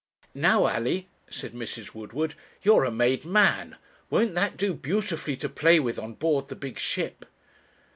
'Now, Alley,' said Mrs. Woodward, 'you're a made man; won't that do beautifully to play with on board the big ship?'